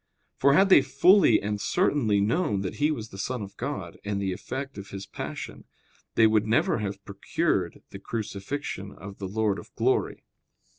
For had they fully and certainly known that He was the Son of God and the effect of His passion, they would never have procured the crucifixion of the Lord of glory.